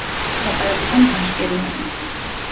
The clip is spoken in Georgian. ლაპარაკობენ ბაშკირულ ენაზე.